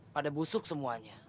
pada busuk semuanya